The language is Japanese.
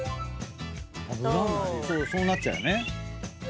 そうなっちゃうよね。